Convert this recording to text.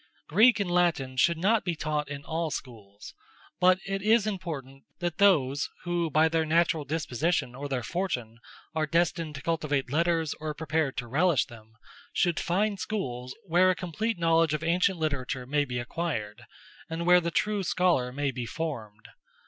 Greek and Latin should not be taught in all schools; but it is important that those who by their natural disposition or their fortune are destined to cultivate letters or prepared to relish them, should find schools where a complete knowledge of ancient literature may be acquired, and where the true scholar may be formed.